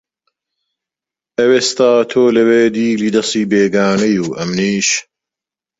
ئەوێستا تۆ لەوێ دیلی دەسی بێگانەی و ئەمنیش